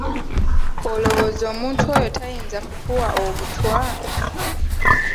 Olowooza omuntu oyo tayinza kukuwa obutwa?